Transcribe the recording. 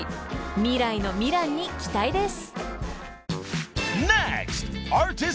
［未来のみらんに期待です］